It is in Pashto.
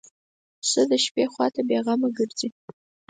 پسه د شپې خوا ته بېغمه ګرځي.